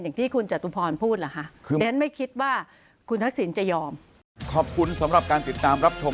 อย่างที่คุณจตุพรพูดเหรอคะ